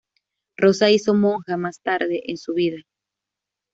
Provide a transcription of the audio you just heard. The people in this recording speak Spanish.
Rosa hizo monja más tarde en su vida.